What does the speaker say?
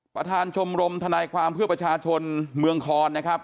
ประธานชมรมทนายความเพื่อประชาชนเมืองคอนนะครับ